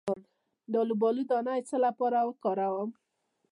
د الوبالو دانه د څه لپاره وکاروم؟